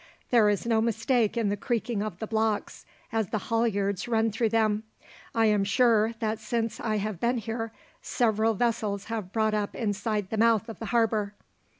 There is no mistake in the creaking of the blocks as the halyards run through them. I am sure, that since I have been here several vessels have brought up inside the mouth of the harbour.